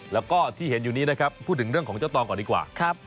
แล้วก็ที่เห็นอยู่นี้นะครับพูดถึงเรื่องของเจ้าตองก่อนดีกว่า